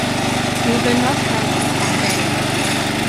Mi fynnodd gael cwpan de.